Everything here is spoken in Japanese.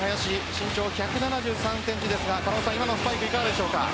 身長１７３ｃｍですが今のスパイクいかがでしょうか？